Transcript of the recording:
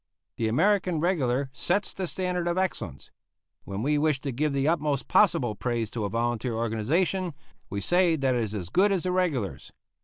The American regular sets the standard of excellence. When we wish to give the utmost possible praise to a volunteer organization, we say that it is as good as the regulars.